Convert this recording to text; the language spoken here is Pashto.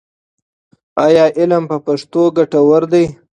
ایا علم په پښتو ګټور دی؟